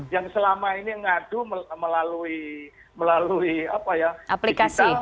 yang selama ini ngadu melalui digital